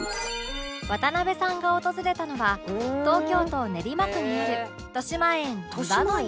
渡辺さんが訪れたのは東京都練馬区にある豊島園庭の湯